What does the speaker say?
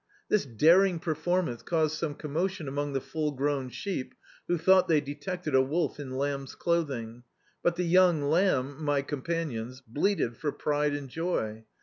This daring perfonnance caused some OMnmotion ammg the full grown sheep, who thou^t they detected a wolf in lamb's clothing; but the young lamb — my companions — bleated for pride and joy.